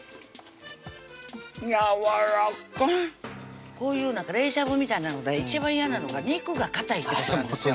やわらかいこういう冷しゃぶみたいなので一番嫌なのが肉がかたいってことなんですよ